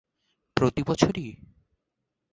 প্রতিবছর ই!